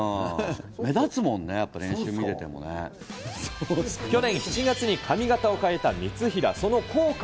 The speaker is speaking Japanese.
目立つもんね、去年７月に髪形を変えた三平。